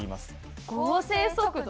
合成速度？